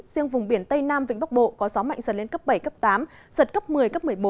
riêng vùng biển tây nam vĩnh bắc bộ có gió mạnh dần lên cấp bảy cấp tám giật cấp một mươi cấp một mươi bốn